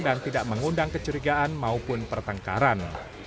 dan tidak mengundang kecurigaan maupun pertengkaran